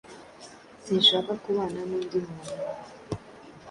Sinshaka kubana n'undi muntu.